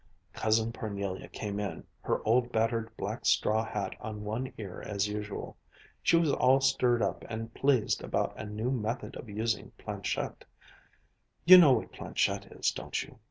Cousin Parnelia came in, her old battered black straw hat on one ear as usual. She was all stirred up and pleased about a new 'method' of using planchette. You know what planchette is, don't you?